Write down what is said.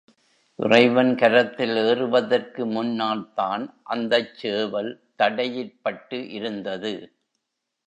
இறைவன் கரத்தில் ஏறுவதற்கு முன்னால்தான் அந்தச் சேவல் தடையிற்பட்டு இருந்தது.